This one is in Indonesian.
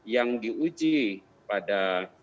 yang diuji pada